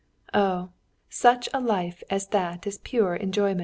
Oh, such a life as that is pure enjoyment!"